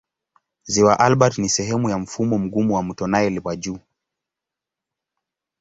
Ziwa Albert ni sehemu ya mfumo mgumu wa mto Nile wa juu.